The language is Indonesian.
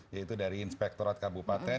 yaitu dari inspektorat kabupaten